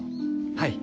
はい。